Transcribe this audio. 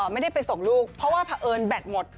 ไม่ได้ไปส่งลูกเพราะว่าเผอิญแบตหมด